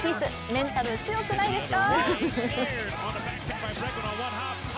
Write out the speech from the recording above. メンタル、強くないですか！？